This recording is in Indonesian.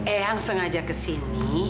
eang sengaja ke sini